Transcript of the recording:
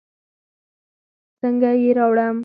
څنګه يې راوړم.